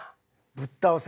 ぶっ倒せ！